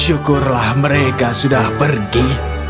syukurlah mereka sudah pergi